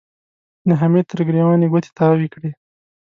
د حميد تر ګرېوان يې ګوتې تاوې کړې.